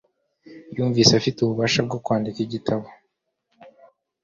Yumvise afite ubushake bwo kwandika igitabo.